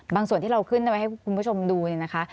บางส่วนที่เราขึ้นไว้ให้คุณผู้ชมดูนะคะ